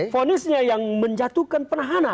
ponisnya yang menjatuhkan penahanan